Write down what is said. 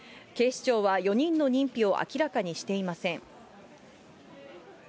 警視庁は４人の認否を明らかにしていません。